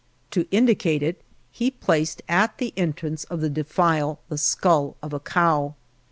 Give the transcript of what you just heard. To indicate it, he placed at the entrance of the defile the skull of a cow.